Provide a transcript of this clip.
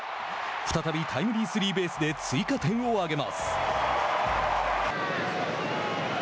再びタイムリースリーベースで追加点を挙げます。